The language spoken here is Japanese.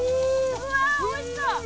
うわおいしそう！